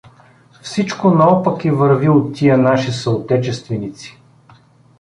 Всичко наопаки върви у тия наши съотечественици.